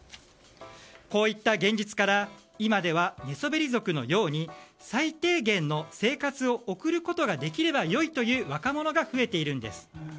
こういった現実から今では寝そべり族のように最低限の生活を送ることができれば良いという若者が増えているんです。